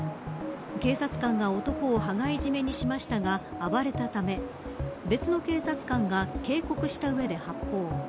警察官が男を羽交い締めにしましたが暴れたため別の警察官が警告した上で発砲。